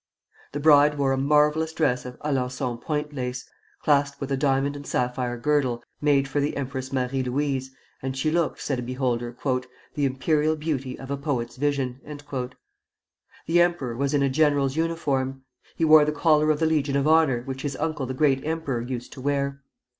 The bride wore a marvellous dress of Alençon point lace, clasped with a diamond and sapphire girdle made for the Empress Marie Louise, and she looked, said a beholder, "the imperial beauty of a poet's vision." The emperor was in a general's uniform. He wore the collar of the Legion of Honor which his uncle the Great Emperor used to wear.